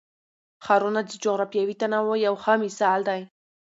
ښارونه د جغرافیوي تنوع یو ښه مثال دی.